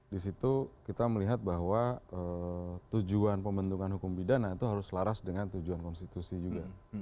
di situ kita melihat bahwa tujuan pembentukan hukum pidana itu harus selaras dengan tujuan konstitusi juga